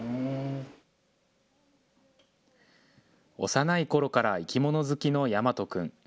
幼いころから生き物好きの岳翔君。